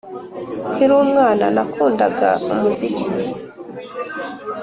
Nkiri umwana nakundaga umuziki,